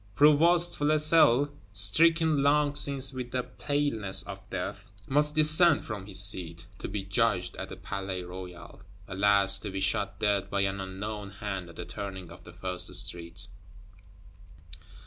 Provost Flesselles, stricken long since with the paleness of death, must descend from his seat, "to be judged at the Palais Royal"; alas, to be shot dead by an unknown hand at the turning of the first street!